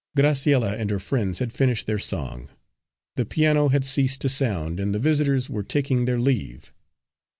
Graciella and her friends had finished their song, the piano had ceased to sound, and the visitors were taking their leave.